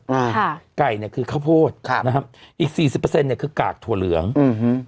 อ่าค่ะไก่เนี้ยคือข้าวโพดครับนะฮะอีกสี่สิบเปอร์เซ็นเนี้ยคือกากถั่วเหลืองอืม